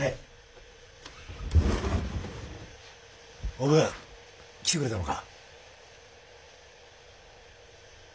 おぶん来てくれたのか？